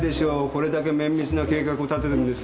これだけ綿密な計画を立ててんです。